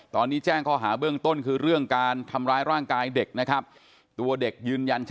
ตอนนี้แจ้งข้อหาเบื้องต้นคือเรื่องการทำร้ายร่างกายเด็กนะครับ